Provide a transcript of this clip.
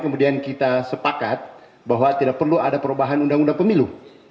kemudian kita sepakat bahwa tidak perlu ada perubahan undang undang pemilu